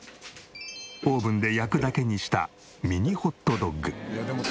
オーブンで焼くだけにしたミニホットドッグ。